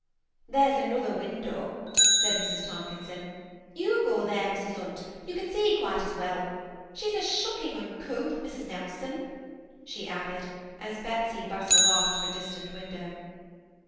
"There's another window," said Mrs. Tomkinson; " you go there, Mrs. Hunt ; you can see quite as well. She 's shocking uncouth, Mrs. Nelson," she added, as Betsy bustled off to a distant window.